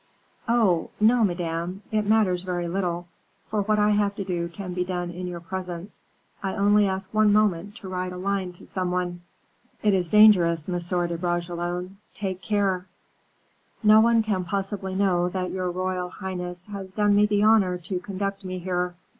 "Oh! no, Madame. It matters very little; for what I have to do can be done in your presence. I only ask one moment to write a line to some one." "It is dangerous, Monsieur de Bragelonne. Take care." "No one can possibly know that your royal highness has done me the honor to conduct me here.